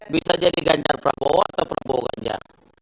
bisa jadi ganjar prabowo atau prabowo ganjar